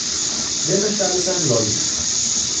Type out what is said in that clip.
Wer möchte alles einen Lolli?